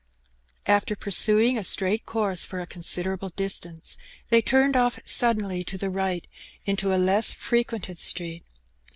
After pursuing a straight course for a considerable distance, they turned oflf suddenly to the right into a less frequented street.